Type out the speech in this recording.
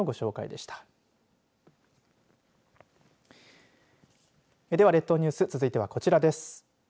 では、列島ニュース続いてこちらです。